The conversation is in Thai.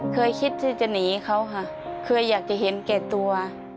เคยคิดที่จะหนีเขาค่ะเคยอยากจะเห็นแก่ตัว